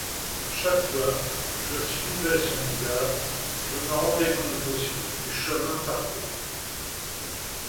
Chaque fois, je suivais son regard, je me rendais compte aussi du chemin parcouru.